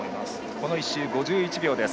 今の１周、５１秒。